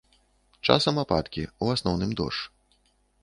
Часам ападкі, у асноўным дождж.